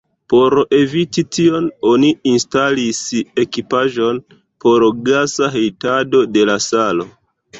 Por eviti tion, oni instalis ekipaĵon por gasa hejtado de la salo.